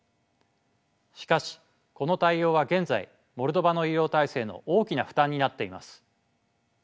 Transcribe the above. しかしこの対応は現在モルドバの医療体制の大きな負担になっています。